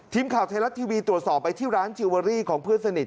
ทีมข่าวไทยรัฐทีวีตรวจสอบไปที่ร้านจิลเวอรี่ของเพื่อนสนิท